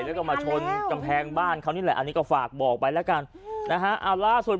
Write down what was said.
แล้วก็กั้นไว้เลย